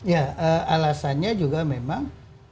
ya alasannya juga memang